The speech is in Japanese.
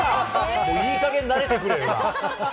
いいかげん慣れてくれ。